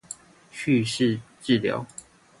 敘事治療